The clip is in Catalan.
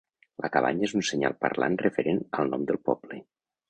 La cabanya és un senyal parlant referent al nom del poble.